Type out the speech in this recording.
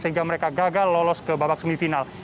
sehingga mereka gagal lolos ke babak semifinal